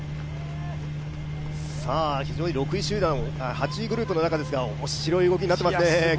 ８位グループの中ですが、面白い動きになっていますね。